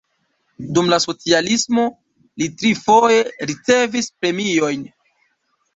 Dum la socialismo li trifoje ricevis premiojn.